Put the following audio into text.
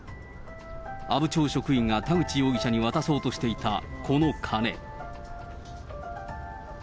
阿武町職員が田口容疑者に渡そうとしていたこの金。